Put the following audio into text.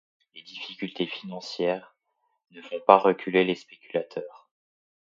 Les difficultés financières ne font pas reculer les spéculateurs.